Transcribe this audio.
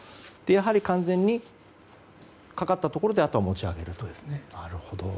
やはり完全にかかったところであとは持ち上げると。